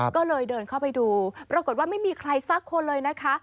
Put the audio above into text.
ก็เลยเดินเข้าไปดูปรากฏว่าไม่มีใครสักคนเลยนะคะ